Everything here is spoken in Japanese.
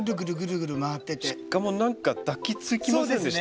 しかも何か抱きつきませんでした？